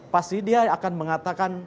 pasti dia akan mengatakan